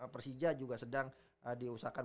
persija juga sedang diusahakan